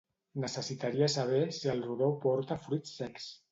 Necessitaria saber si el rodó porta fruits secs.